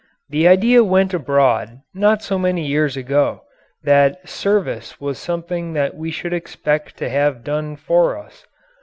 The idea went abroad not so many years ago that "service" was something that we should expect to have done for us.